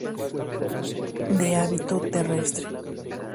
De hábito terrestre.